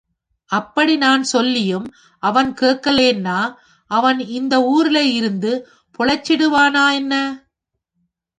அப்படி நான் சொல்லியும் அவன் கேக்கலேன்னா அவன் இந்த ஊருலேருந்து பொளேச்சிடுவானா, என்ன?